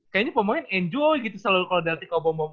kayaknya pemain enjoy gitu selalu kalau dilatih ko bom bom